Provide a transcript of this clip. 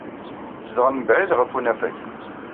Zedɣen mebɛid ɣef unafag.